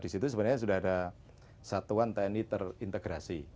di situ sebenarnya sudah ada satuan tni terintegrasi